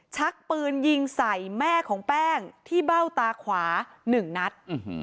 ชักปืนยิงใส่แม่ของแป้งที่เบ้าตาขวา๑นัด